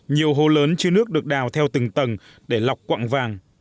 nhiều hố lớn chứa nước được đào theo từng tầng để lọc quạng vàng